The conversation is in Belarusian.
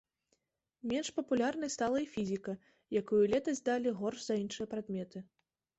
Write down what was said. Менш папулярнай стала і фізіка, якую летась здалі горш за іншыя прадметы.